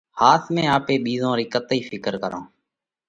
ۿاس ۾ آپي ٻِيزون رئِي ڪتئِي ڦِڪر ڪرونه؟